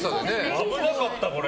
危なかった、これ。